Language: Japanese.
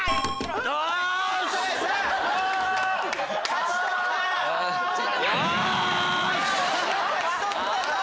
勝ち取った！